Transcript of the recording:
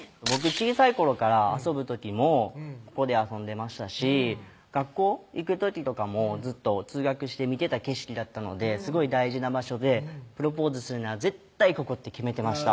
小さい頃から遊ぶ時もここで遊んでましたし学校行く時とかもずっと通学して見てた景色だったのですごい大事な場所でプロポーズするなら絶対ここって決めてました